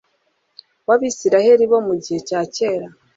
wAbisiraheli bo mu gihe cya kera